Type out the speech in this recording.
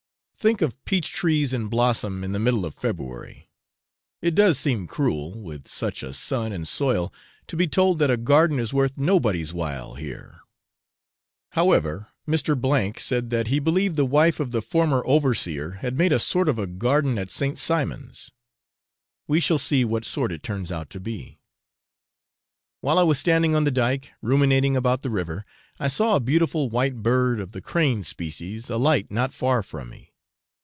Think of peach trees in blossom in the middle of February! It does seem cruel, with such a sun and soil, to be told that a garden is worth nobody's while here; however, Mr. O said that he believed the wife of the former overseer had made a 'sort of a garden' at St. Simon's. We shall see 'what sort' it turns out to be. While I was standing on the dyke, ruminating above the river, I saw a beautiful white bird of the crane species alight not far from me.